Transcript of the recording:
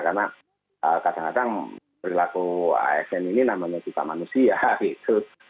karena kadang kadang perilaku asn ini namanya juga manusia gitu